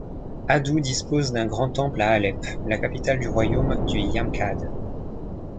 Addu dispose d'un grand temple à Alep, la capitale du royaume du Yamkhad.